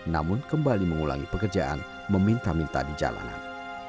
namun kembali mengulangi pekerjaan meminta minta di jalanan